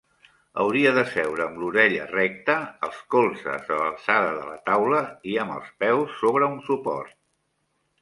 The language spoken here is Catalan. Hauria de seure amb l'orella recta, els colzes a l'alçada de la taula i amb els peus sobre un suport.